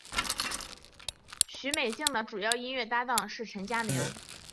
许美静的主要音乐搭档是陈佳明。